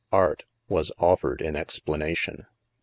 "Art" was offered in explanation.